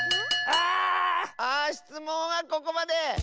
あしつもんはここまで！